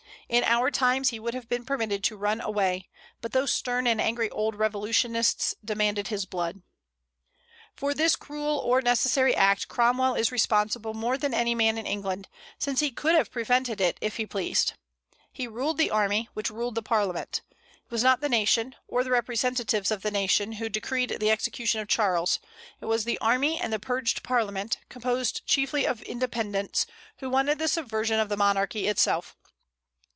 In our times he would have been permitted to run away; but those stern and angry old revolutionists demanded his blood. For this cruel or necessary act Cromwell is responsible more than any man in England, since he could have prevented it if he pleased. He ruled the army, which ruled the Parliament. It was not the nation, or the representatives of the nation, who decreed the execution of Charles. It was the army and the purged Parliament, composed chiefly of Independents, who wanted the subversion of the monarchy itself.